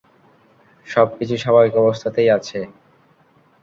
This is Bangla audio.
সবকিছু স্বাভাবিক অবস্থাতেই আছে।